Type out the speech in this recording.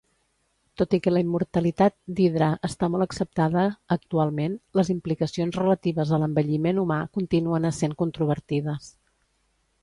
Tot i que la immortalitat d' "Hydra" està molt acceptada actualment, les implicacions relatives a l'envelliment humà continuen essent controvertides.